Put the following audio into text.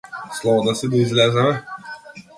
Слободна си да излеземе?